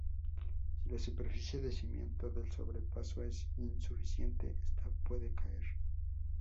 Si la superficie de cimiento del sobrepaso es insuficiente, esta puede caer.